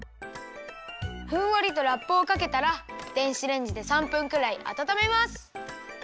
ふんわりとラップをかけたら電子レンジで３分くらいあたためます。